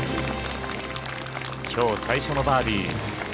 きょう最初のバーディー。